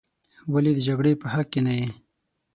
ولې د جګړې په حق کې نه یې.